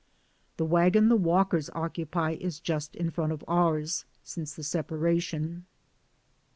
The wagon the Walkers occupy is just in front of ours since the separation.